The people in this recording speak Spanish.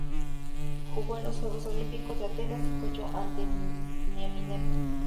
Jugó en los Juegos Olímpicos de Atenas y cayó ante Nieminen.